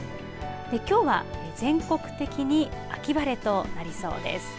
きょうは全国的に秋晴れとなりそうです。